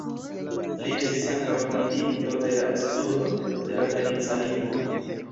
Li estis ankaŭ fondinto de la studo de la fenica lingvo.